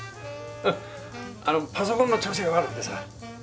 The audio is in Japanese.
あのパソコンの調子が悪くてさ。